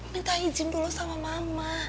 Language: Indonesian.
minta izin dulu sama mama